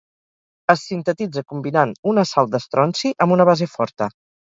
Es sintetitza combinant una sal d'estronci amb una base forta.